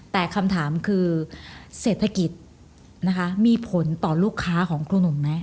แต่คำถามคือเศรษฐกิจนะคะมีผลต่อลูกค้าของครูหนุ่มไหม